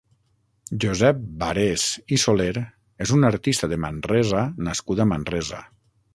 Josep Barés i Soler és un artista de Manresa nascut a Manresa.